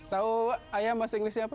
tau ayam bahasa inggrisnya apa